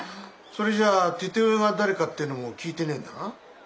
それじゃてて親が誰かってぇのも聞いてねえんだな？